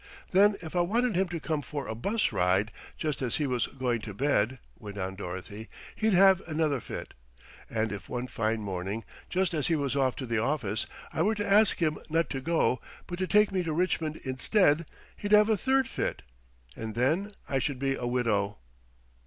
Then if I wanted him to come for a 'bus ride just as he was going to bed," went on Dorothy, "he'd have another fit; and if one fine morning, just as he was off to the office, I were to ask him not to go, but to take me to Richmond instead, he'd have a third fit, and then I should be a widow."